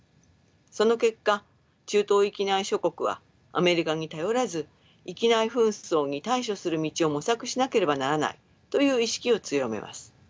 その結果中東域内諸国はアメリカに頼らず域内紛争に対処する道を模索しなければならないという意識を強めます。